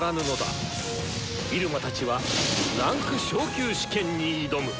入間たちは位階昇級試験に挑む！